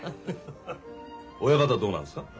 親方はどうなんですか？